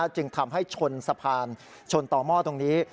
จึงทำให้ชนสะพานชนต่อหม้อตรงนี้